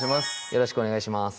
よろしくお願いします